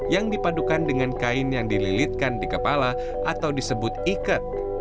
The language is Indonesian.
yang dipadukan dengan kain yang dililitkan di kepala atau disebut ikat